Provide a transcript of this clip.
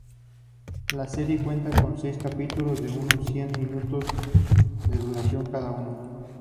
La serie cuenta con seis capítulos de unos cien minutos de duración cada uno.